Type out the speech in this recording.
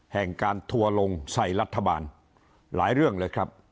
แห่งการทัวร์ลงใส่รัฐบาลหลายเรื่องเลยครับ